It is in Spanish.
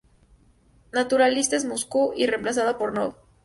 Naturalistes Moscou" y reemplazada por "Nov.